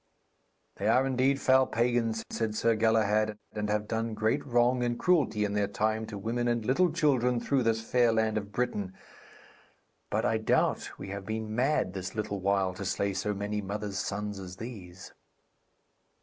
'They are indeed foul pagans,' said Sir Galahad, 'and have done great wrong and cruelty in their time to women and little children through this fair land of Britain. But I doubt we have been mad this little while to slay so many mothers' sons as these.'